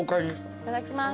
いただきます。